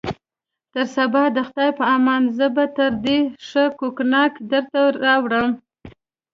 تر سبا د خدای په امان، زه به تر دې ښه کونیاک درته راوړم.